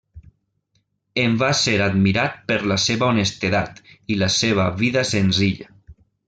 En va ser admirat per la seva honestedat i la seva vida senzilla.